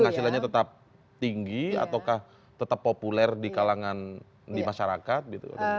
penghasilannya tetap tinggi ataukah tetap populer di kalangan di masyarakat gitu